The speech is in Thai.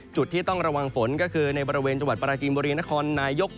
จุดที่ต้องระวังฝนก็คือในบริเวณจังหวัดปราจีนบุรีนครนายก